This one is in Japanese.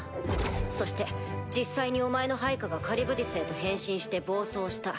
そして実際にお前の配下がカリュブディスへと変身して暴走した。